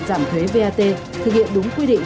giảm thuế vat thực hiện đúng quy định